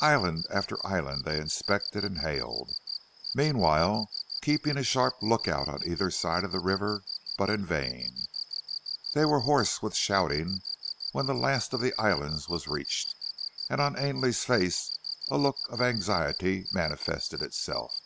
Island after island they inspected and hailed; meanwhile keeping a sharp look out on either side of the river, but in vain. They were hoarse with shouting when the last of the islands was reached, and on Ainley's face a look of anxiety manifested itself.